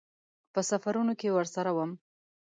په سفرونو کې ورسره وم.